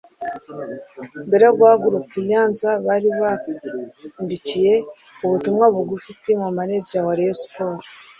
Mbere yo guhaguruka i Nyanza bari bandikiye ubutumwa bugufi Team Manager wa Rayon Sport